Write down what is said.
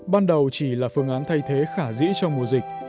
ban đầu chỉ là phương án thay thế khả dĩ trong mùa dịch